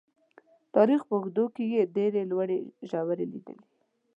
تاریخ په اوږدو کې یې ډېرې لوړې ژورې لیدلي.